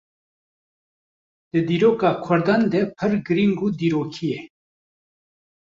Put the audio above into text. di dîroka Kurdan de pir girîng û dîrokî ye